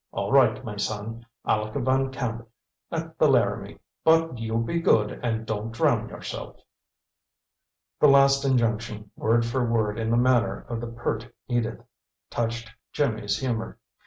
All right, my son, Aleck Van Camp, at the Laramie. But you be good and don't drown yourself." This last injunction, word for word in the manner of the pert Edith, touched Jimmy's humor.